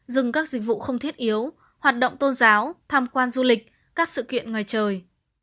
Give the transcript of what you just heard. dừng các dịch vụ không thiết yếu hoạt động tôn giáo tham quan du lịch các sự kiện ngoài trời